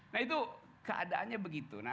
nah itu keadaannya begitu